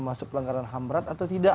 masuk pelanggaran ham berat atau tidak